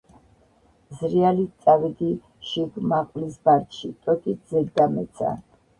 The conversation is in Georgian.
ზრიალით წავედი შიგ მაყვლის ბარდში, ტოტიც ზედ დამეცა.